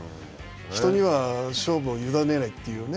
人には勝負を委ねないというね。